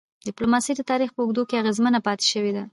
ډيپلوماسي د تاریخ په اوږدو کي اغېزمنه پاتې سوی ده.